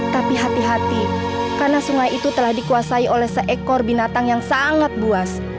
tapi hati hati karena sungai itu telah dikuasai oleh seekor binatang yang sangat buas